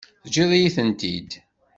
Teǧǧiḍ-iyi-tent-id.